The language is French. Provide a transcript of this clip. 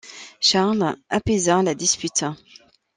Charles apaisa la dispute.